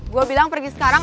gue bilang pergi sekarang